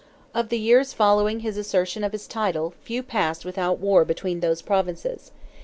Of the years following his assertion of his title, few passed without war between those Provinces.